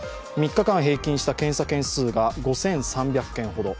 ３日間平均した検査件数が５３００件ほど。